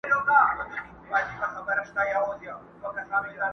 روڼي سترګي کرۍ شپه په شان د غله وي؛